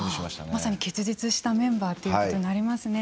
まさに結実したメンバーということになりますよね。